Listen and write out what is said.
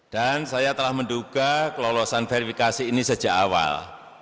dan saya telah menduga kelolosan verifikasi ini sejak awal